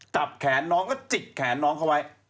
จับแขนน้องก็จิกแขนน้องเขาไว้